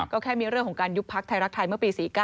ก็แค่มีเรื่องของการยุบพักไทยรักไทยเมื่อปี๔๙